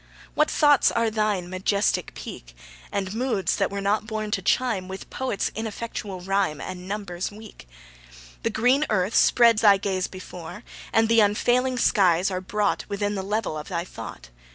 What thoughts are thine, majestic peak? And moods that were not born to chime With poets' ineffectual rhyme And numbers weak? The green earth spreads thy gaze before, And the unfailing skies are brought Within the level of thy thought.